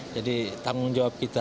jadi tanggung jawab kita